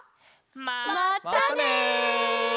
またね！